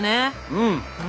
うん。